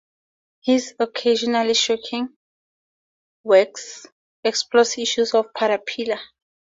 His "occasionally shocking" work explores issues of paraphilia.